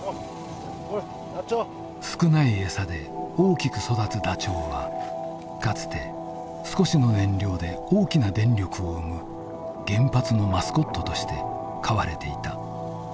少ない餌で大きく育つダチョウはかつて少しの燃料で大きな電力を生む原発のマスコットとして飼われていた。